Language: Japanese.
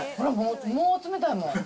もう冷たいもん。